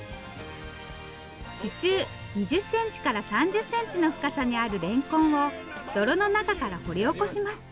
地中２０センチから３０センチの深さにあるれんこんを泥の中から掘り起こします。